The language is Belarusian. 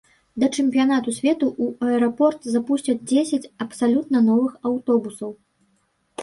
Да чэмпіянату свету ў аэрапорт запусцяць дзесяць абсалютна новых аўтобусаў.